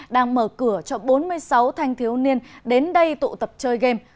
đang mở cửa cho bốn mươi sáu thanh thiếu niên đến đây tụ tập chơi game